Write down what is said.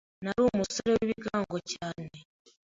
Nari umusore w’ibigango cyane